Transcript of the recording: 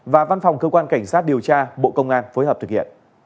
cảm ơn các bạn đã theo dõi